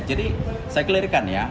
jadi saya klerikan